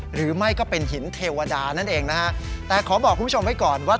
หรือไม่ก็เป็นหินเทวดานั่นเองนะฮะแต่ขอบอกคุณผู้ชมไว้ก่อนว่า